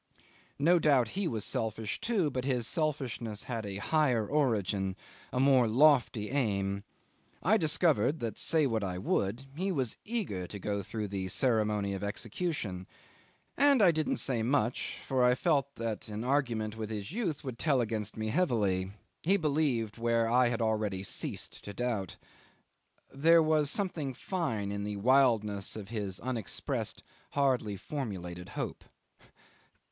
No doubt he was selfish too, but his selfishness had a higher origin, a more lofty aim. I discovered that, say what I would, he was eager to go through the ceremony of execution, and I didn't say much, for I felt that in argument his youth would tell against me heavily: he believed where I had already ceased to doubt. There was something fine in the wildness of his unexpressed, hardly formulated hope.